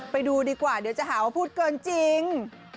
ไปดูดีกว่าเดี๋ยวจะหาว่าพูดเกินจริง